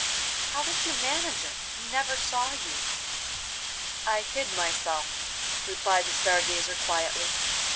'How did you manage it? we never saw you.' 'I hid myself,' replied the Star Gazer quietly.